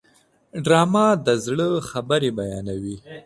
ډرامه د زړه خبرې بیانوي